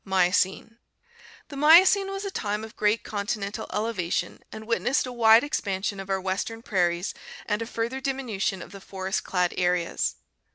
Miocene. — The Miocene was a time of great continental elevation and witnessed a wide expansion of our western prairies and and foot (B) of Mesokip a further diminution of the forest clad* areas.